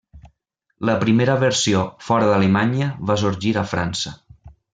La primera versió fora d'Alemanya va sorgir a França.